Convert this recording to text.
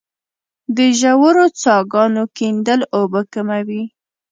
د ژورو څاګانو کیندل اوبه کموي